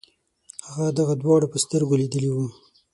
هغه دغه دواړه په سترګو لیدلي وو.